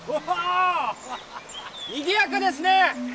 にぎやかですね！